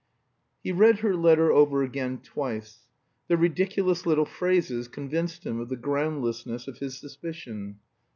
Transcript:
He read her letter over again twice. The ridiculous little phrases convinced him of the groundlessness of his suspicion.